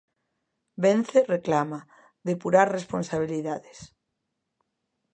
Vence reclama "depurar responsabilidades".